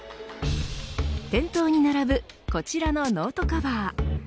店頭に並ぶこちらのノートカバー